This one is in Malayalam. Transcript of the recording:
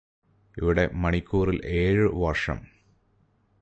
ഇവിടെ മണിക്കൂറിൽ ഏഴു വർഷം